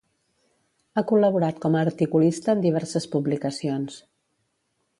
Ha col·laborat com a articulista en diverses publicacions.